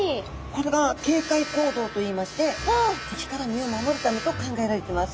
これが警戒行動といいまして敵から身を守るためと考えられてます。